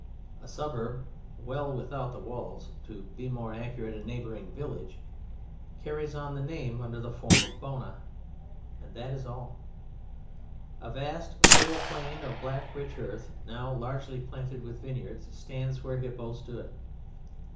A suburb, well without the walls to be more accurate, a neighbouring village carries on the name under the form of Bona, and that is all. A vast, fertile plain of black rich earth, now largely planted with vineyards, stands where Hippo stood.